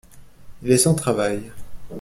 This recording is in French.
Il est sans travail.